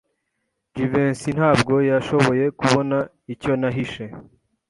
Jivency ntabwo yashoboye kubona icyo nahishe.